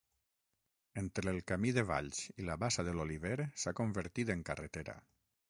Entre el camí de Valls i la bassa de l'Oliver s'ha convertit en carretera.